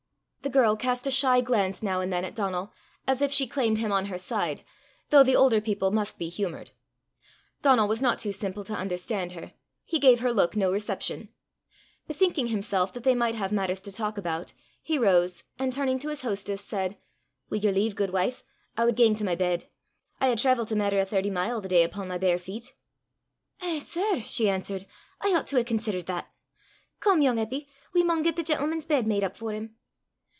The girl cast a shy glance now and then at Donal, as if she claimed him on her side, though the older people must be humoured. Donal was not too simple to understand her: he gave her look no reception. Bethinking himself that they might have matters to talk about, he rose, and turning to his hostess, said, "Wi' yer leave, guidwife, I wad gang to my bed. I hae traivelt a maitter o' thirty mile the day upo' my bare feet." "Eh, sir!" she answered, "I oucht to hae considert that! Come, yoong Eppy, we maun get the gentleman's bed made up for him."